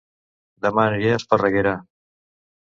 Dema aniré a Esparreguera